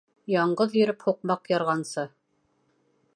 Яңғыҙ йөрөп һуҡмаҡ ярғансы